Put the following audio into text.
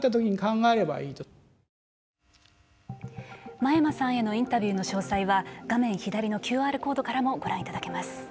真山さんへのインタビューの詳細は画面左のＱＲコードからもご覧いただけます。